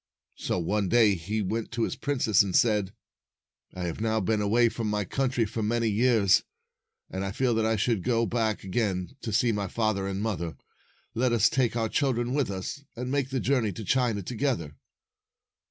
So one day he went to his princess and said, 251 " I have now been away from my country for many years, and I feel that I should like to go back again to see my father and mother. Let us take our children with us, and make the journey to China together."